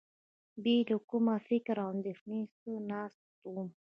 بې له کوم فکر او اندېښنې څخه ناست وم.